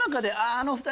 あの２人